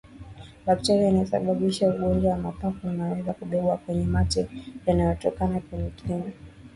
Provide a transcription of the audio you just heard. Bakteria anayesababisha ugonjwa wa mapafu anaweza kubebwa kwenye mate yanayotoka kwenye kinywa cha mnyama